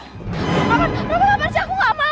roman apa apa aja aku gak mau man